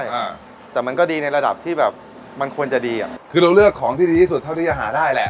อ่าแต่มันก็ดีในระดับที่แบบมันควรจะดีอ่ะคือเราเลือกของที่ดีที่สุดเท่าที่จะหาได้แหละ